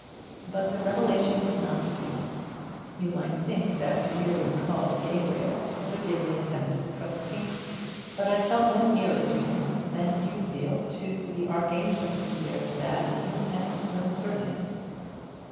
But the revelation was not to be. You might think that to hear him called 'Gabriel' would have given me a sense of propinquity. But I felt no nearer to him than you feel to the Archangel who bears that name and no surname.